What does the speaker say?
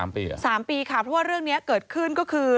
๓ปีค่ะเพราะว่าเรื่องนี้เกิดขึ้นก็คือ